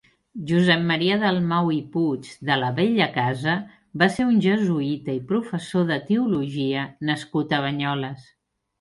Josep Maria Dalmau i Puig de la Bellacasa va ser un jesuïta i professor de teologia nascut a Banyoles.